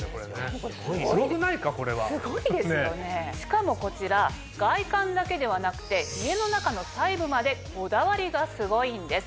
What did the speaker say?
しかもこちら外観だけではなくて家の中の細部までこだわりがすごいんです。